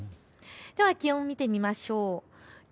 では気温を見てみましょう。